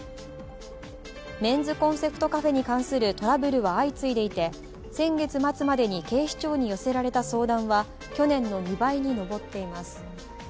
メンズコンセプトカフェに関するトラブルは相次いでいて、先月末までに警視庁に寄せられた相談は去年の２倍に上っています。